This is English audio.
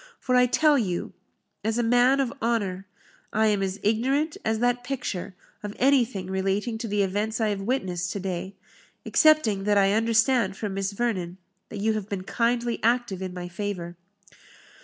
For I tell you, as a man of honour, I am as ignorant as that picture of anything relating to the events I have witnessed to day, excepting that I understand from Miss Vernon, that you have been kindly active in my favour."